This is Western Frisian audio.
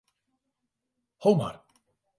Ho mar.